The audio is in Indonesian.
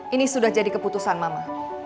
ini sudah jadi keputusan mama